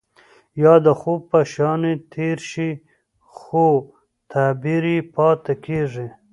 يا د خوب په شانې تير شي خو تعبير يې پاتې کيږي.